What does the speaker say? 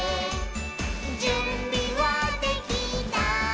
「じゅんびはできた？